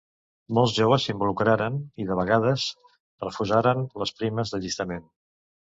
Molts joves s'involucraren i de vegades refusaren les primes d'allistament.